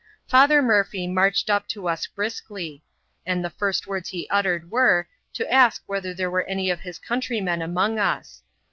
Father Murphy marched up to us briskly ; and the first words he uttered were, to ask whether there were any of his country men among us.